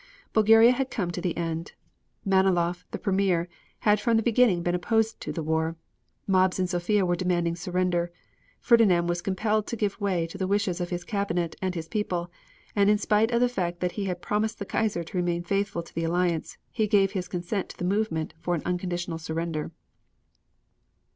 Bulgaria had come to the end. Malinoff, the Premier, had from the beginning been opposed to the war. Mobs in Sofia were demanding surrender. Ferdinand was compelled to give way to the wishes of his Cabinet and his people, and in spite of the fact that he had promised the Kaiser to remain faithful to the Alliance, he gave his consent to the movement for unconditional surrender.